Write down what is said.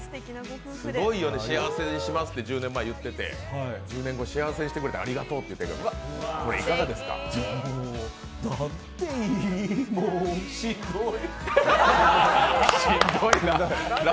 すごいよね、幸せにしますって１０年前に言ってて、１０年後幸せにしてくれてありがとうっていう手紙。なんていいもうしんどい。